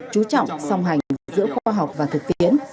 chú trọng song hành giữa khoa học và thực tiễn